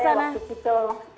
selamat pagi waktu quito